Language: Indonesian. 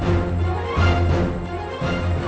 kaikan yakinsuca veteruk